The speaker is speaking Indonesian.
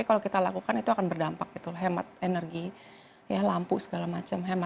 kalau misalnya kita kita mengurangi pemakaian plastik